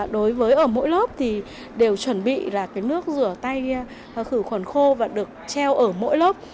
đối với ở mỗi lớp thì đều chuẩn bị là cái nước rửa tay khử khuẩn khô và được treo ở mỗi lớp